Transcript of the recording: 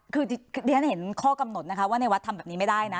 คือเรียนเห็นข้อกำหนดนะคะว่าในวัดทำแบบนี้ไม่ได้นะ